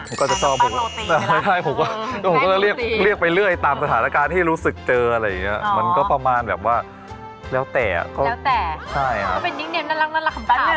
ผมก็จะชอบผมก็เรียกไปเรื่อยตามสถานการณ์ที่รู้สึกเจออะไรอย่างนี้อะมันก็ประมาณแบบว่าแล้วแต่อะก็เป็นนิกเนมน่ารักคำถาม